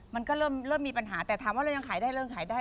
มันก็เริ่มมีปัญหาแต่ถามว่าเรายังขายได้เริ่มขายได้